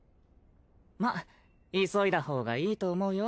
まっ急いだほうがいいと思うよ。